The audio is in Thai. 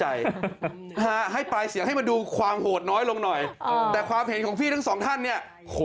ให้ปลายเสียงให้มาดูความโหดน้อยลงหน่อย